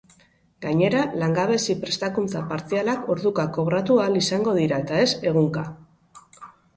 Gainera, langabezi prestakuntza partzialak orduka kobratu ahal izango dira eta ez egunka.